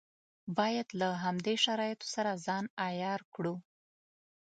باید له همدې شرایطو سره ځان عیار کړو.